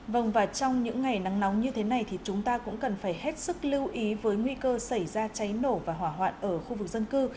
vâng và trong những ngày nắng nóng như thế này thì chúng ta cũng cần phải hết sức lưu ý với nguy cơ xảy ra cháy nổ và hỏa hoạn ở khu vực dân cư